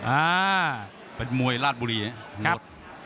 อ่าเป็นมวยราดบุรีเนี่ย